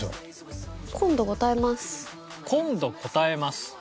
「今度答えます」